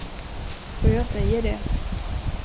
Så jag säger det.